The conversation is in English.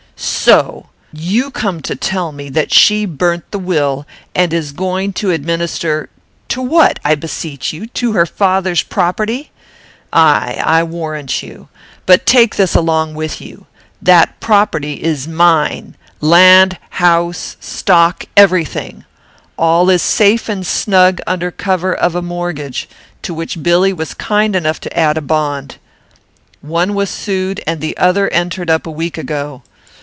"So! you come to tell me that she burnt the will, and is going to administer to what, I beseech you? To her father's property? Ay, I warrant you. But take this along with you: that property is mine; land, house, stock, every thing. All is safe and snug under cover of a mortgage, to which Billy was kind enough to add a bond. One was sued, and the other entered up, a week ago.